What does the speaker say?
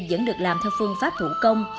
vẫn được làm theo phương pháp thủ công